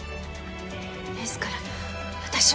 ですから私は。